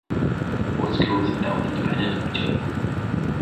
Both schools are now independent of each other.